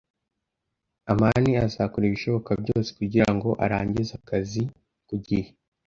amani azakora ibishoboka byose kugirango arangize akazi ku gihe.